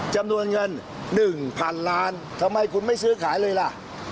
จำนวนเงิน๑๐๐๐ล้านทำไมคุณไม่ซื้อขายเลยล่ะ